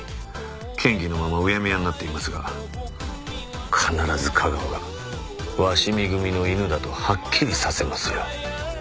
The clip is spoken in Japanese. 嫌疑のままうやむやになっていますが必ず架川が鷲見組の犬だとはっきりさせますよ。